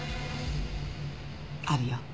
あるよ。